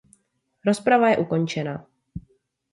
Rozprava je ukončena.